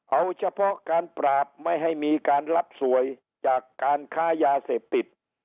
เอาเฉพาะการปราบไม่ให้มีการรับสวยจากการค้ายาเสพติด